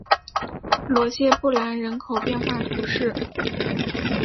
罗谢布兰人口变化图示